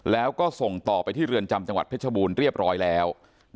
แล้วก็ส่งต่อไปที่เรือนจำจังหวัดเพชรบูรณ์เรียบร้อยแล้ว